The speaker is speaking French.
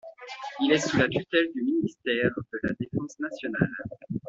Elle est sous la tutelle du Ministère de la Défense nationale.